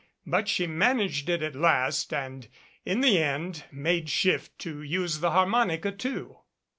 But she managed it at last, and in the end made shift to use the harmonica, too.